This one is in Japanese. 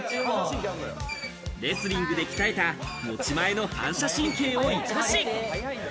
レスリングで鍛えた持ち前の反射神経を活かし。